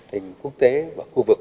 hình quốc tế và khu vực